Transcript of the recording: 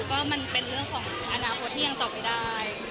ก็มันเป็นเรื่องของอนาคตที่ยังตอบไม่ได้